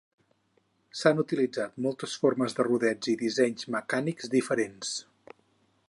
S'han utilitzat moltes formes de rodets i dissenys mecànics diferents.